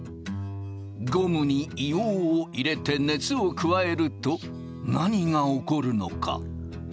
ゴムに硫黄を入れて熱を加えると何が起こるのか？